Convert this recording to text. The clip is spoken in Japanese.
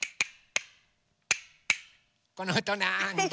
このおとなんだ？